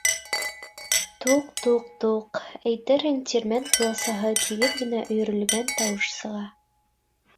Туҡ, туҡ, туҡ — әйтерһең, тирмән ҡуласаһы тигеҙ генә өйөрөлгән тауыш сыға.